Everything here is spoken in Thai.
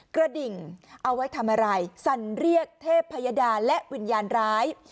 กระดิ่งเอาไว้ทำอะไรสั่นเรียกเทพยดาและวิญญาณร้าย